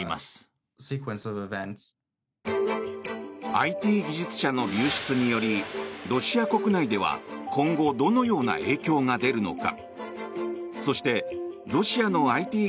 ＩＴ技術者の流出によりロシア国内では今後どのような影響が出るのか。